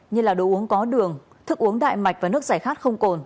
như là đồ uống có đường thức uống đại mạch và nước giải khát không cồn